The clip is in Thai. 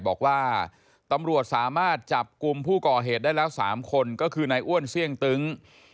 บอกว่าตำรวจสามารถจับกลุ่มผู้ก่อเหตุได้แล้ว๓คนก็คือนายอ้วนเสี่ยงตึ้ง